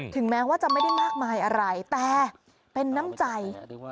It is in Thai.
แม้ว่าจะไม่ได้มากมายอะไรแต่เป็นน้ำใจ